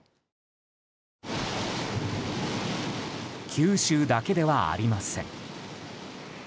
九州だけではありません。